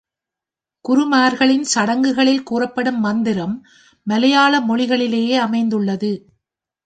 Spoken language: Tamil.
குருமார்களின் சடங்குகளில் கூறப்படும் மந்திரம் மலையாள மொழியிலேயே அமைந்துள்ளது.